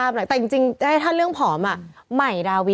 พี่ตอนก็ผอมมาก